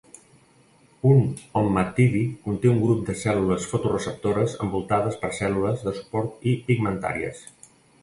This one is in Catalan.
Un ommatidi conté un grup de cèl·lules fotoreceptores envoltades per cèl·lules de suport i pigmentàries.